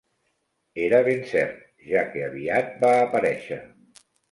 Era ben cert, ja que aviat va aparèixer.